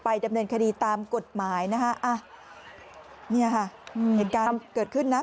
ไปดำเนินคดีตามกฎหมายนะคะนี่ค่ะเห็นการเกิดขึ้นนะ